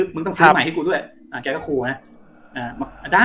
มึงต้องซื้อใหม่ให้กูด้วยแกก็ครูนะ